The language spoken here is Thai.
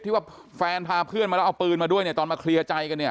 ที่ว่าแฟนทาเพื่อนมาแล้วเอาปืนมาด้วย